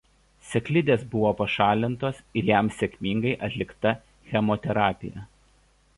Sėklidės buvo pašalintos ir jam sėkmingai atlikta chemoterapija.